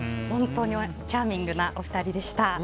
本当にチャーミングなお二人でした。